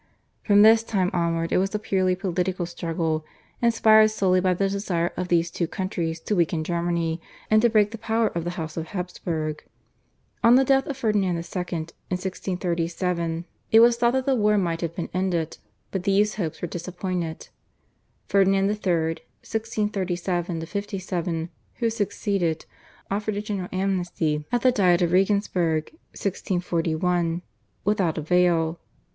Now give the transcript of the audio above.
From this time onward it was a purely political struggle, inspired solely by the desire of these two countries to weaken Germany and to break the power of the House of Habsburg. On the death of Ferdinand II. in 1637 it was thought that the war might have been ended, but these hopes were disappointed. Ferdinand III. (1637 57) who succeeded offered a general amnesty at the Diet of Regensburg (1641) without avail.